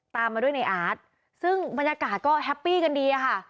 ตามมาด้วยในอาร์ตซึ่งบรรยากาศก็แฮปปี้กันดีอะค่ะ